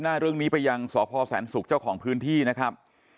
หน้าเรื่องนี้ไปยังสพแสนศุกร์เจ้าของพื้นที่นะครับ